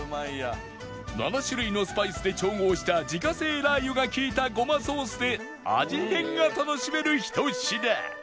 ７種類のスパイスで調合した自家製ラー油が利いた胡麻ソースで味変が楽しめるひと品